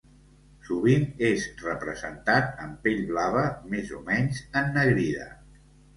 Sovint és representat amb pell blava més o menys ennegrida.